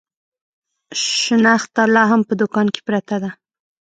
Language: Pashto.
شنخته لا هم په دوکان کې پرته ده.